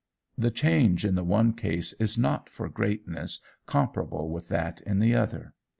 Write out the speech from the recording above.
The change in the one case is not for greatness comparable with that in the other.